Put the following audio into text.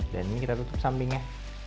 dan ini kita tutup sampingnya